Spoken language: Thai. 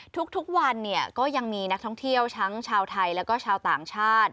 ทุกวันเนี่ยก็ยังมีนักท่องเที่ยวทั้งชาวไทยแล้วก็ชาวต่างชาติ